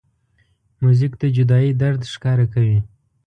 موزیک د جدایۍ درد ښکاره کوي.